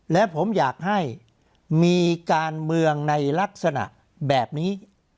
และผมอยากให้มีการเมืองในลักษณะแบบนี้